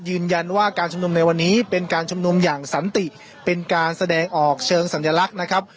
ยืนยันว่าการชุมนุมในวันนี้เป็นการชุมนุมอย่างสันติเป็นการแสดงออกเชิงสัญลักษณ์นะครับ